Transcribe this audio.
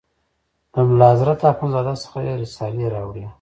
له ملا حضرت اخوند زاده څخه یې رسالې راوړې.